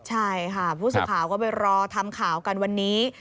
ใช่ค่ะผู้สื่อข่าวก็ไปรอทำข่าวกันวันนี้